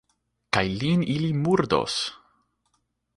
Kaj lin ili murdos!